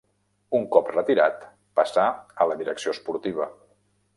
Un cop retirat, passà a la direcció esportiva.